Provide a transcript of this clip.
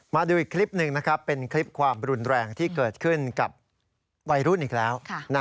มาดูอีกคลิปหนึ่งนะครับเป็นคลิปความรุนแรงที่เกิดขึ้นกับวัยรุ่นอีกแล้ว